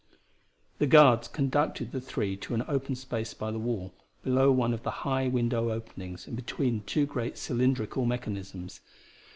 The guards conducted the three to an open space by the wall, below one of the high window openings and between two great cylindrical mechanisms.